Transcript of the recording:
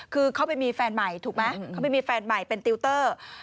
คือเขาไปมีแฟนใหม่ถูกไหมเขาไปมีแฟนใหม่เป็นติวเตอร์